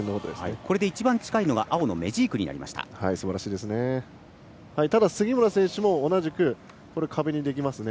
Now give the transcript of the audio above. これで一番近いのは青のメジークとなりました。